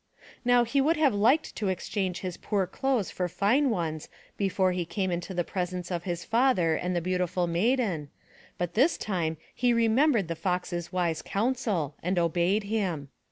Now he would have liked to exchange his poor clothes for fine ones before he came into the presence of his father and the beautiful Maiden, but this time he remembered the Fox's wise counsel and obeyed him.